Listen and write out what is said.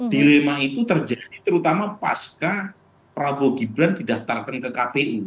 dilema itu terjadi terutama pasca prabowo gibran didaftarkan ke kpu